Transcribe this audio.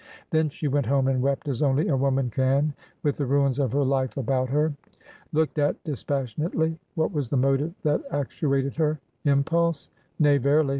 Then she went home and wept as only a woman can with the ruins of her life about her. Looked at dispassionately, what was the motive that actuated her? Impulse? Nay, verily!